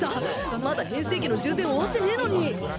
まだ変声機の充電終わってねぇのに。